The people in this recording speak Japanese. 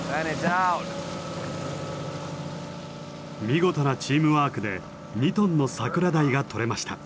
見事なチームワークで２トンのサクラダイがとれました。